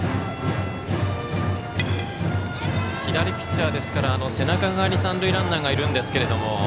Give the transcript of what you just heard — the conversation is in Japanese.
左ピッチャーですから背中側に三塁ランナーがいるんですけども。